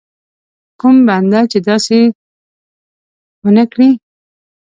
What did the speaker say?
کوم بنده چې داسې ونه کړي.